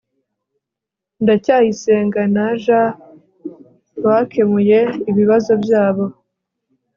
ndacyayisenga na j bakemuye ibibazo byabo